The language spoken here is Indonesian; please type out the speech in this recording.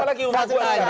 apa lagi umat buahnya